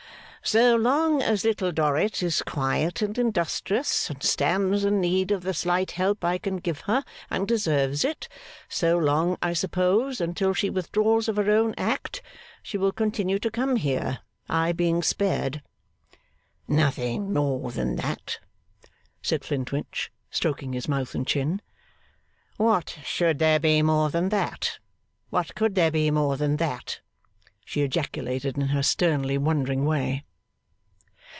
'So long as Little Dorrit is quiet and industrious, and stands in need of the slight help I can give her, and deserves it; so long, I suppose, unless she withdraws of her own act, she will continue to come here, I being spared.' 'Nothing more than that?' said Flintwinch, stroking his mouth and chin. 'What should there be more than that! What could there be more than that!' she ejaculated in her sternly wondering way.